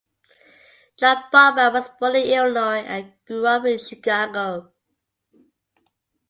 John Baughman was born in Illinois and grew up in Chicago.